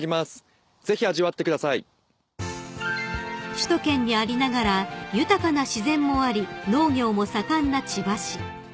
［首都圏にありながら豊かな自然もあり農業も盛んな千葉市］